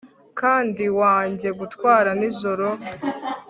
kandi wange gutwara nijoro